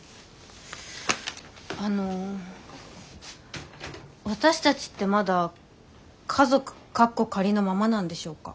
あの私たちってまだ家族カッコ仮のままなんでしょうか？